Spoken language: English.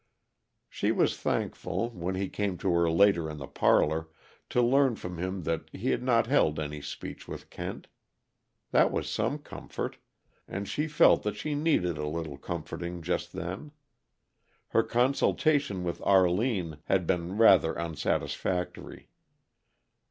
She was thankful, when he came to her later in the parlor, to learn from him that he had not held any speech with Kent. That was some comfort and she felt that she needed a little comforting, just then. Her consultation with Arline had been rather unsatisfactory.